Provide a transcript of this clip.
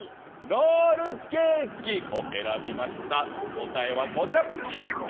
ロールケーキを選びました答えはこちら。